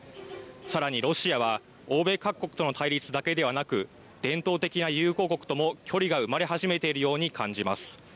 さらにロシアは欧米各国との対立だけではなく伝統的な友好国とも距離が生まれ始めているように感じます。